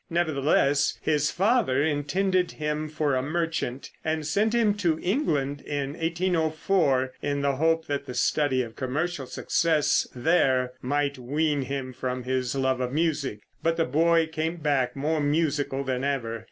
Nevertheless, his father intended him for a merchant, and sent him to England in 1804, in the hope that the study of commercial success there might wean him from his love of music. But the boy came back more musical than ever.